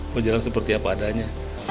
berjalan seperti apa adanya